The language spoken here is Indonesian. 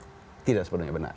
atau tidak sepenuhnya benar